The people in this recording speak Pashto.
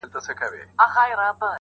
لار به څرنګه مهار سي د پېړیو د خونیانو!.